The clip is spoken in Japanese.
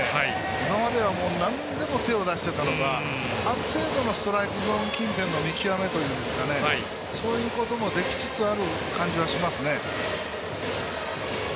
今まではなんでも手を出していたのがある程度のストライクゾーン近辺の見極めというかそういうこともできつつある感じはしますね。